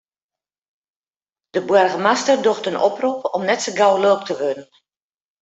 De boargemaster docht in oprop om net sa gau lulk te wurden.